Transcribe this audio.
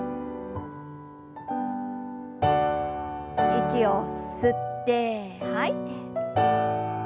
息を吸って吐いて。